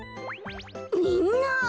みんな！